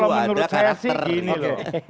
kalau menurut saya sih gini loh